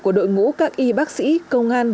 của đội ngũ các y bác sĩ công an